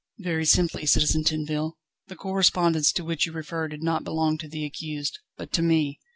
"Very simply, Citizen Tinville. The correspondence to which you refer did not belong to the accused, but to me.